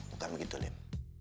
bukan begitu lim